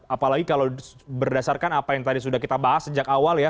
apalagi kalau berdasarkan apa yang tadi sudah kita bahas sejak awal ya